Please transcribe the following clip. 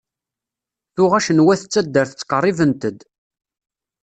Tuɣac n wat n taddart tqerribent-d.